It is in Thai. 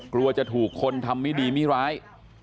กลัวจะถูกคนทำไม่ดีไม่ร้าย